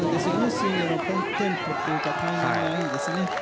スイングのテンポというかタイミングがいいですよね。